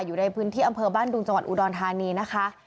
อยู่ในพื้นที่อำเภอบ้านดุงจังหวัดอุดรธานีนะคะ